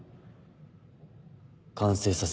完成させる